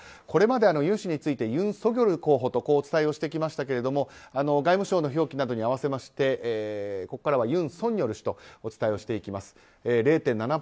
これまで尹氏についてユン・ソギョル候補とお伝えをしてきましたが外務省の表記などに合わせましてここからはユン・ソンニョル氏とお伝えをしていきます。